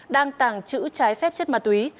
đang tàng trữ trái phép chất ma túy